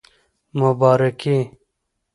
مبارکي